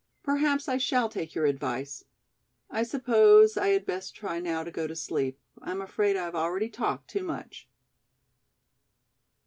Perhaps I shall take your advice. I suppose I had best try now to go to sleep, I am afraid I have already talked too much."